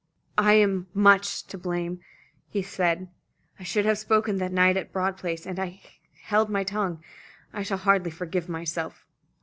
"I am much to blame," he said. "I should have spoken that night at Broad Place, and I held my tongue. I shall hardly forgive myself."